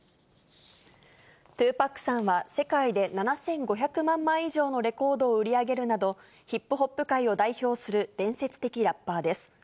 ２パックさんは世界で７５００万枚以上のレコードを売り上げるなど、ヒップホップ界を代表する伝説的ラッパーです。